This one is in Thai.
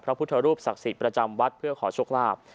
พระพุทธรูปศักดิ์สิทธิ์ประจำวัดเพื่อขอโชคลาภ